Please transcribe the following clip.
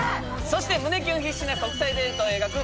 そして胸キュン必至な国際デートを描く